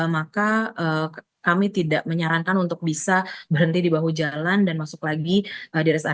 maka kami tidak menyarankan untuk bisa berhenti di bahu jalan dan masuk lagi di rest area